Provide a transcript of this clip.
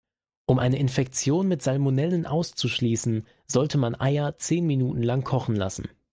Um eine Infektion mit Salmonellen auszuschließen, sollte man Eier zehn Minuten lang kochen lassen.